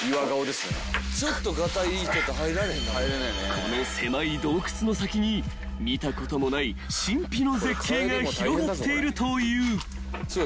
［この狭い洞窟の先に見たこともない神秘の絶景が広がっているという］